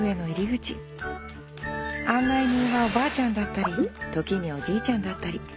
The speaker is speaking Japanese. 案内人はおばあちゃんだったり時におじいちゃんだったり。